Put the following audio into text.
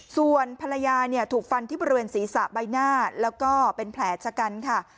ส่วนภรรยาเนี่ยถูกฟันที่บริเวณศีรษะใบหน้าแล้วก็เป็นแผลชะกันค่ะ